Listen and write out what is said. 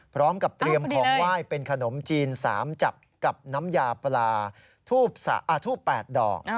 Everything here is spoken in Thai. พร้อมกับเตรียมของไหว้เป็นขนมจีน๓จับกับน้ำยาปลาทูบ๘ดอก